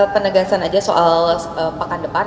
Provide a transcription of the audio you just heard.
penegasan saja soal pakan depan